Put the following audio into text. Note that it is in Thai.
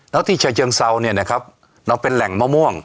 แล้วที่ฉะเชิงเซาเนี่ยนะครับเราเป็นแหล่งมะม่วง